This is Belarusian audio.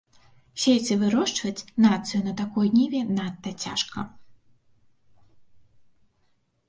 Сеяць і вырошчваць нацыю на такой ніве надта цяжка.